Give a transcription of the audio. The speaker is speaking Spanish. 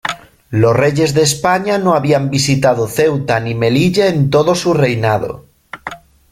Los reyes de España no habían visitado Ceuta ni Melilla en todo su reinado.